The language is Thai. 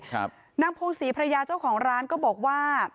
นางพงศรีภรรยาเจ้าของร้านก็บอกว่า